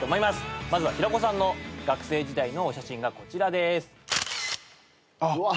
まずは平子さんの学生時代のお写真がこちらです。